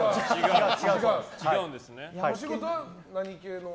お仕事は何系の？